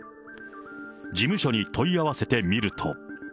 事務所に問い合わせてみると。